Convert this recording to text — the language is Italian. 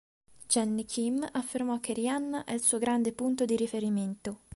Jennie Kim affermò che Rihanna è il suo grande punto di riferimento.